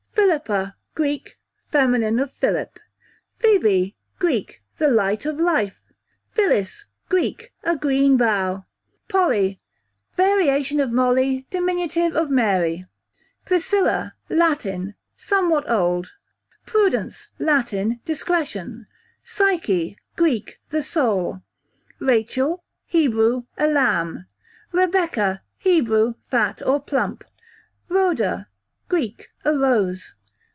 Philippa, Greek, feminine of Philip. Phoebe, Greek, the light of life. Phyllis, Greek, a green bough. Polly, variation of Molly, dim. of Mary, q.v. Priscilla, Latin, somewhat old. Prudence, Latin, discretion. Pysche, Greek, the soul. Rachel, Hebrew, a lamb. Rebecca, Hebrew, fat or plump. Rhoda, Greek, a rose.